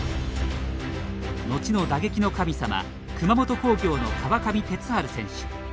後の打撃の神様熊本工業の川上哲治選手。